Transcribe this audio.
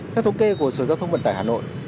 theo thống kê của sở giao thông vận tải hà nội